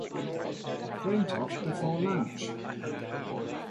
Went off before lunch.